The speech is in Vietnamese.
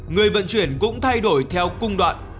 người vận chuyển cũng thay đổi theo cung đoạn